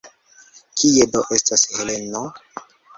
Kie do estas Heleno?